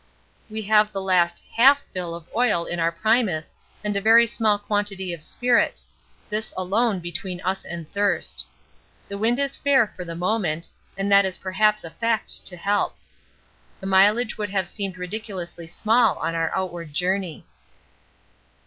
We have the last half fill of oil in our primus and a very small quantity of spirit this alone between us and thirst. The wind is fair for the moment, and that is perhaps a fact to help. The mileage would have seemed ridiculously small on our outward journey.